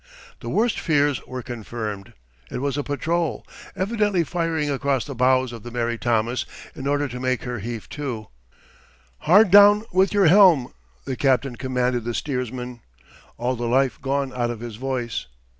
The worst fears were confirmed. It was a patrol, evidently firing across the bows of the Mary Thomas in order to make her heave to. "Hard down with your helm!" the captain commanded the steersman, all the life gone out of his voice.